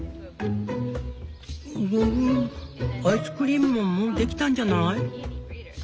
「フグフグアイスクリームももうできたんじゃない？」。